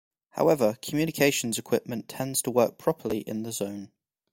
However, communications equipment tends to work properly in the zone.